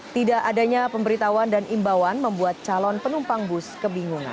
tidak adanya pemberitahuan dan imbauan membuat calon penumpang bus kebingungan